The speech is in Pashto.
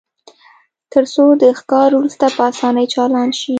ترڅو د ښکار وروسته په اسانۍ چالان شي